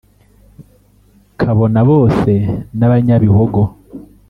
kabona bose n' abanyabihogo